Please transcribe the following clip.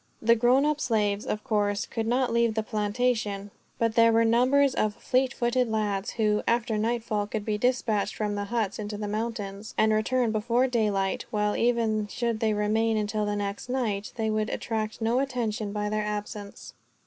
The grown up slaves, of course, could not leave the plantation; but there were numbers of fleet footed lads who, after nightfall, could be dispatched from the huts into the mountains, and return before daylight; while, even should they remain until the next night, they would attract no attention by their absence.